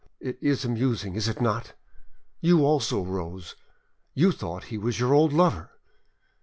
it is amusing, is it not? You also, Rose, you thought he was your old lover!